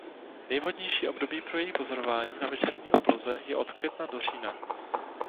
Nejvhodnější období pro její pozorování na večerní obloze je od května do října.